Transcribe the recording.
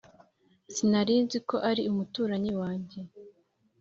Sinarinziko ari umuturanyi wanjye